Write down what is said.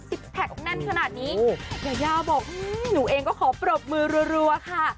สำหรับนี้ยาวบอกหนูเองก็ขอปรบมือรวค่ะ